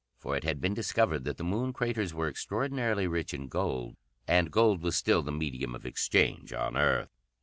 For it had been discovered that the Moon craters were extraordinarily rich in gold, and gold was still the medium of exchange on Earth.